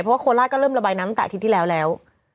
เพราะว่าโคราชก็เริ่มระบายน้ำตั้งแต่อาทิตย์ที่แล้วแล้ว